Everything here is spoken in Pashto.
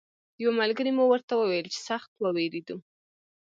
یوه ملګري مو ورته ویل چې سخت ووېرېدو.